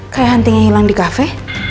kayak antingnya hilang di cafe